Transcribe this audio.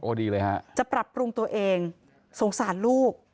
ดีเลยฮะจะปรับปรุงตัวเองสงสารลูก